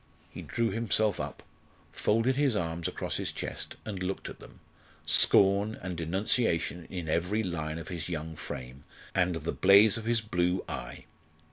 He drew himself up, folded his arms across his chest, and looked at them scorn and denunciation in every line of his young frame, and the blaze of his blue eye.